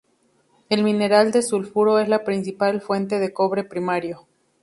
El mineral de sulfuro es la principal fuente de cobre primario.